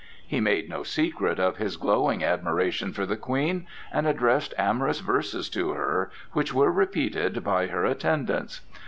He made no secret of his glowing admiration for the Queen, and addressed amorous verses to her, which were repeated by her attendants.